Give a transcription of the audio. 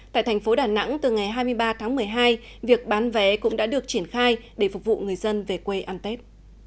tại thành phố đà nẵng từ ngày hai mươi ba tháng một mươi hai việc bán vé cũng đã được triển khai để phục vụ người dân về quê ăn tết